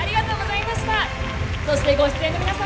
そしてご出演の皆様